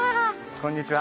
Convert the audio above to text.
こんにちは。